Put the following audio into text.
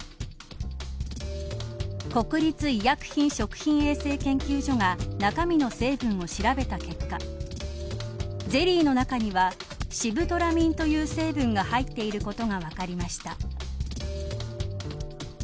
国立医薬品食品衛生研究所が中身の成分を調べた結果ゼリーの中にはシブトラミンという成分が入っていることが分かりました。